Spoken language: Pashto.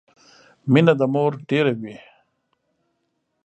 مينه د مور ډيره وي